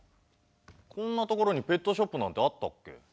こんな所にペットショップなんてあったっけ？